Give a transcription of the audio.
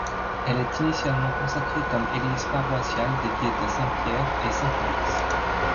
Elle est initialement consacrée comme église paroissiale dédiée à saint Pierre et saint Félix.